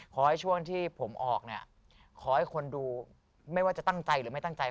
ขอให้ช่วงที่ผมออกเนี่ยขอให้คนดูไม่ว่าจะตั้งใจหรือไม่ตั้งใจ